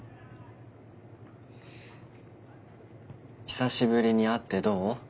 久しぶりに会ってどう？